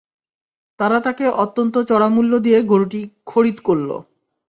তারা তাকে অত্যন্ত চড়ামূল্য দিয়ে গরুটি খরিদ করল।